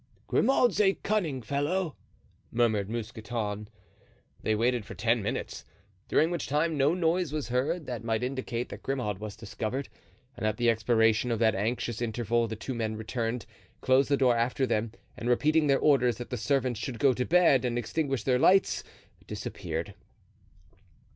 "Grimaud's a cunning fellow," murmured Mousqueton. They waited for ten minutes, during which time no noise was heard that might indicate that Grimaud was discovered, and at the expiration of that anxious interval the two men returned, closed the door after them, and repeating their orders that the servants should go to bed and extinguish their lights, disappeared.